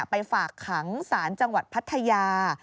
ไปฝากขังศาลจังหวัดพัทยา